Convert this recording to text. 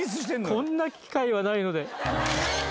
こんな機会はないので。